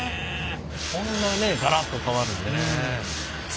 こんなねがらっと変わるんやね。